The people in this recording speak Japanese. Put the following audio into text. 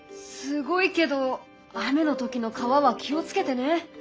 すごいけど雨の時の川は気を付けてね。